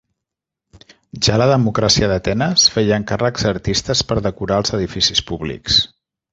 Ja la democràcia d'Atenes feia encàrrecs a artistes per decorar els edificis públics.